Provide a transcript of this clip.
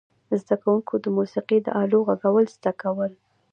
زده کوونکو د موسیقي د آلو غږول زده کول.